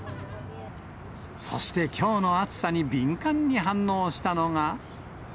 そしてきょうの暑さに敏感に反応したのが。